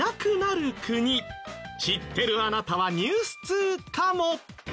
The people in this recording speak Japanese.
知ってるあなたはニュース通かも？